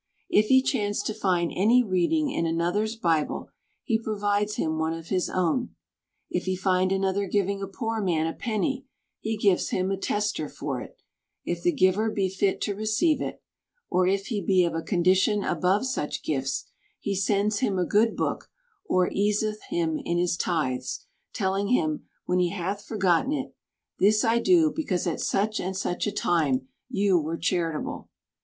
If he chance to find any reading in another's bible, he provides him one of his own. If he find another giving a poor man a penny, he gives him a tester for it, if the giver be fit to receive it ; or if he be of a condition above such gifts, he sends him a good book, or easeth him in his tithes, telUng him, when he hath forgotten it, " This I do, because at such and such a time you were charitable.